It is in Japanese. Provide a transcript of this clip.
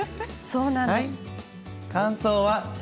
そうなんです。